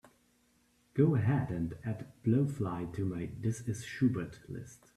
go ahead and add blowfly to my This Is Schubert list